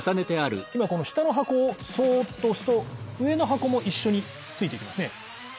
今この下の箱をそっと押すと上の箱も一緒についてきますね。